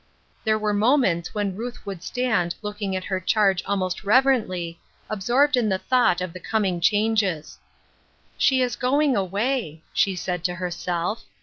There were moments when Ruth would stand looking at her charge almost reverently, absorbed in the thought of the coming changes. " She is going away," she said to herself.